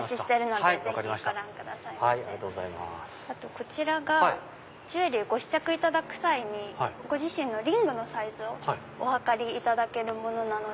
こちらがジュエリーご試着いただく際にご自身のリングのサイズをお測りいただけるものなので。